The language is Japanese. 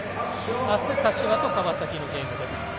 明日、柏と川崎のゲームです。